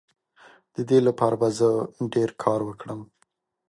د دې لپاره به زه ډیر کار وکړم.